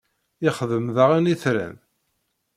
ixdem daɣen itran.